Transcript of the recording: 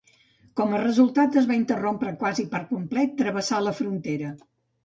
Com a resultat, es va interrompre quasi per complet travessar la frontera.